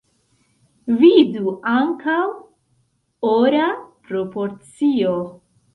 Vidu ankaŭ: Ora proporcio.